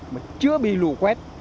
mà chưa bị lũ quét